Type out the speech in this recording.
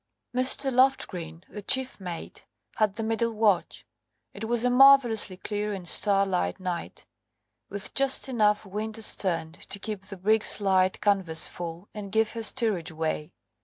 Mr. Loftgreen, the chief mate, had the middle watch. It was a marvellously clear and starlight night, with just enough wind astern to keep the brig's light canvas full and give her steerage way.